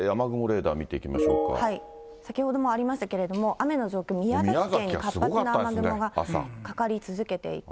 先ほどもありましたけども、雨の状況、宮崎県に活発な雨雲がかかり続けていて。